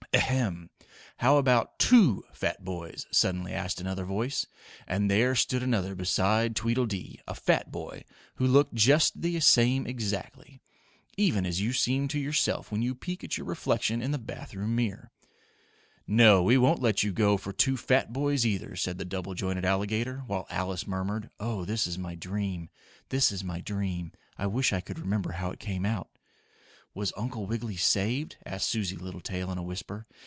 "Ahem! How about TWO fat boys?" suddenly asked another voice, and there stood another beside Tweedledee, a fat boy, who looked just the same exactly; even as you seem to yourself when you peek at your reflection in the bath room mirror. "No, we won't let you go for two fat boys, either," said the double jointed alligator, while Alice murmured: "Oh, this is my dream! This is my dream! I wish I could remember how it came out!" "Was Uncle Wiggily saved?" asked Susie Littletail in a whisper.